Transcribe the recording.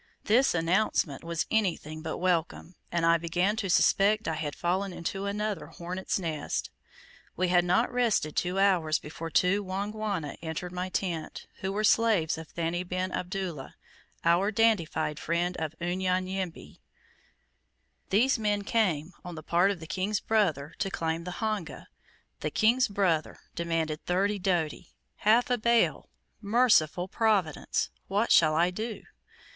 This announcement was anything but welcome, and I began to suspect I had fallen into another hornets' nest. We had not rested two hours before two Wangwana entered my tent, who were slaves of Thani bin Abdullah, our dandified friend of Unyanyembe. These men came, on the part of the king's brother, to claim the HONGA! The king's brother, demanded thirty doti! Half a bale! Merciful Providence! What shall I do?